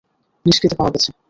নিষ্কৃতি পাওয়া গেছে।